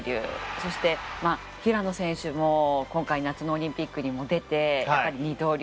そして平野選手も今回夏のオリンピックにも出て二刀流